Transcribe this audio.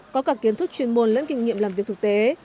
có cả kiến thức chuyên môn lẫn kinh nghiệm làm việc thực tế